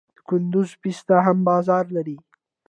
د کندز پسته هم بازار لري.